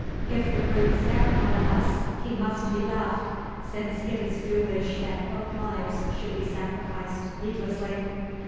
If the brutes get one of us he must be left, since it is foolish that both lives should be sacrificed needlessly.